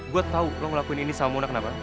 gue tau lo ngelakuin ini sama mona kenapa